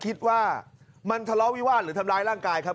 คิดว่ามันทะเลาะวิวาสหรือทำร้ายร่างกายครับ